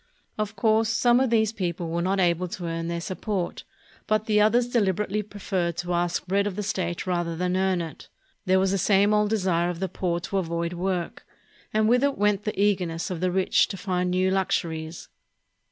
Of course some of these people were not able to earn their support, but the others delib erately preferred to ask bread of the state rather than earn it. There was the same old desire of the poor to avoid work ; and with it went the eagerness of the rich to find new luxuries.